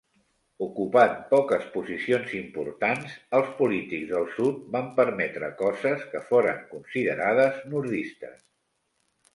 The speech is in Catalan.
Ocupant poques posicions importants, els polítics del Sud van permetre coses que foren considerades nordistes.